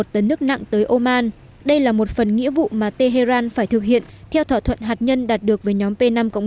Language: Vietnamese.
một tấn nước nặng tới oman đây là một phần nghĩa vụ mà tehran phải thực hiện theo thỏa thuận hạt nhân đạt được với nhóm p năm